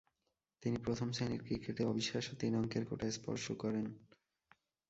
তিনি প্রথম-শ্রেণীর ক্রিকেটে অবিশ্বাস্য তিন অঙ্কের কোটা স্পর্শ করেন।